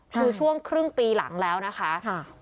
คือช่วงครึ่งปีหลังแล้วนะคะ